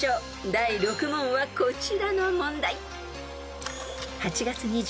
［第６問はこちらの問題］